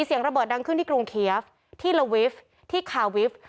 เสียงระเบิดดังขึ้นที่กรุงเคียฟที่ละวิฟท์ที่คาวิฟต์